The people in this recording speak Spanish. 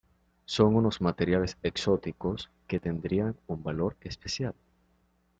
Son unos materiales exóticos que tendrían un valor especial.